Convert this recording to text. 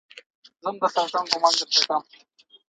د یوه ملي غم په وخت دې څوک مسکا وکړي.